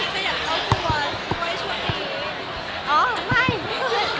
จะอยากเล่าทัวร์ช่วงนี้